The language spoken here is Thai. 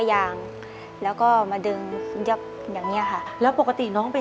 ยางแล้วก็มาดึงยับอย่างเงี้ยค่ะแล้วปกติน้องเป็น